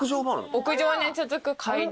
屋上に続く階段。